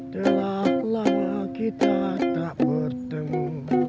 telah lama kita tak bertemu